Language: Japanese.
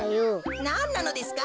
なんなのですか？